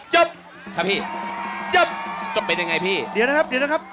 จบครับพี่จบจะเป็นยังไงพี่เดี๋ยวนะครับเดี๋ยวนะครับ